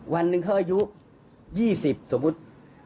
วันหนึ่งเขาอายุ๒๐สมมุติ